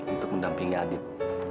untuk mendampingi adit